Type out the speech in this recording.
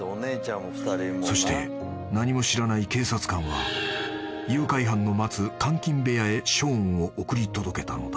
［そして何も知らない警察官は誘拐犯の待つ監禁部屋へショーンを送り届けたのだ］